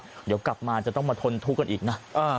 เดี๋ยวกลับมาจะต้องมาทนทุกข์กันอีกนะ